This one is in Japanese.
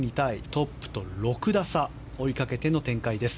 トップと６打差追いかけての展開です。